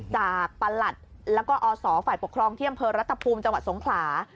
ประหลัดแล้วก็อศฝ่ายปกครองที่อำเภอรัฐภูมิจังหวัดสงขลา